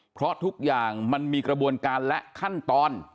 เพราะทุกอย่างมันมีกระบวนการและขั้นตอน